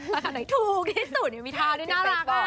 ราคาไหนถูกที่สุดมีทาด้วยน่ารักค่ะ